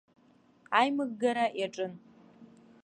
Аимыггара иаҿын.